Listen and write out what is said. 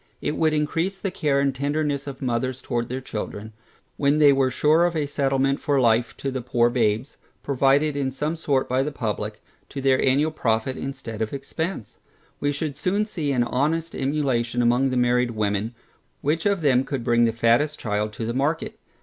It would encrease the care and tenderness of mothers towards their children, when they were sure of a settlement for life to the poor babes, provided in some sort by the publick, to their annual profit instead of expence. We should soon see an honest emulation among the married women, which of them could bring the fattest child to the market.